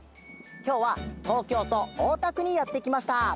きょうはとうきょうとおおたくにやってきました。